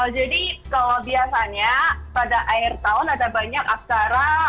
jadi kalau biasanya pada akhir tahun ada banyak acara